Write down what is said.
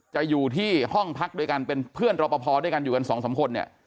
อยู่ที่ห้องพักด้วยกันเป็นเพื่อนรอปภด้วยกันอยู่กันสองสามคนเนี่ย